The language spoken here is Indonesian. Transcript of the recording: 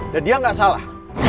dan dia gak salah